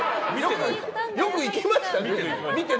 よくいきましたね。